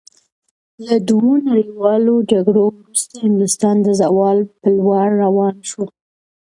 له دوو نړیوالو جګړو وروسته انګلستان د زوال په لور روان شو.